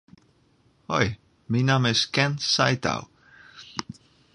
Hoi, myn namme is Ken Saitou.